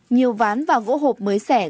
nhiều ván và gỗ hộp mới xẻ